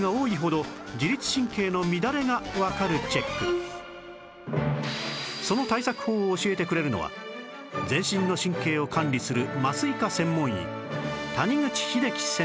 実はこれその対策法を教えてくれるのは全身の神経を管理する麻酔科専門医谷口英喜先生